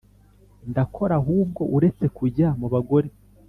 Ndakora ahubwo uretse kujya mubagore